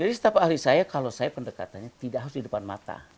jadi staf ahli saya kalau saya pendekatannya tidak harus di depan mata